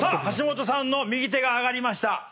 橋本さんの右手が挙がりました。